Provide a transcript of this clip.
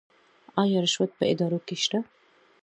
آیا رشوت په ادارو کې شته؟